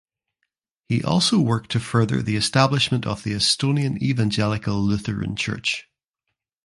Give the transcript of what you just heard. He also worked to further the establishment of the Estonian Evangelical Lutheran Church.